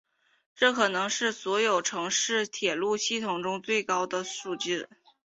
这可能是所有城市铁路系统中的最高数字。